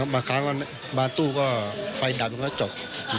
บางครั้งบ้านตู้ก็ไฟดับแล้วก็จบ